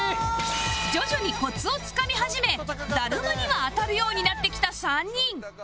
徐々にコツをつかみ始めダルマには当たるようになってきた３人